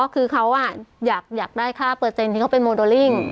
อ๋อคือเขาอ่ะอยากอยากได้ค่าเปอร์เซ็นต์ที่เขาเป็นโมเดอริ่งอืม